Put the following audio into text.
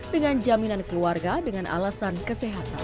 dengan jaminan keluarga dengan alasan kesehatan